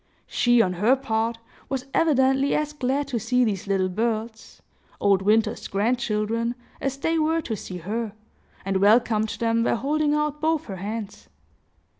She, on her part, was evidently as glad to see these little birds, old Winter's grandchildren, as they were to see her, and welcomed them by holding out both her hands.